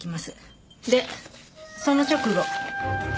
でその直後。